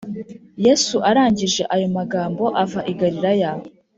Yesu arangije ayo magambo ava i galilaya